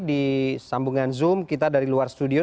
di sambungan zoom kita dari luar studio